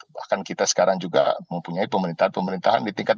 bahkan kita sekarang juga mempunyai pemerintahan pemerintahan di tingkat